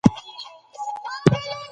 هر څوک پیسو ته اړتیا لري.